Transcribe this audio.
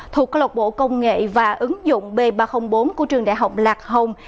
thuộc lọc bộ công nghệ và ứng dụng b ba trăm linh bốn của trường đại học lạc hồng